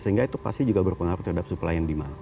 sehingga itu pasti juga berpengaruh terhadap supply yang dimana